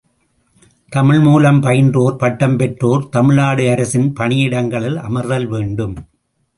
தமிழ் மூலம் பயின்றோர் பட்டம் பெற்றோர் தமிழ்நாடு அரசின் பணியிடங்களில் அமர்தல் வேண்டும்.